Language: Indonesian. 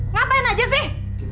ngapain aja sih